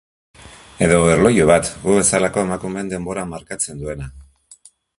Edo erloju bat, gu bezalako emakumeen denbora markatzen duena...